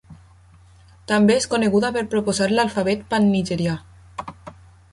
També és coneguda per proposar l'alfabet pan-nigerià.